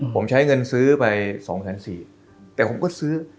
ผมใช้เงินซื้อไป๒๔๐๐บาทแต่ผมก็ซื้อ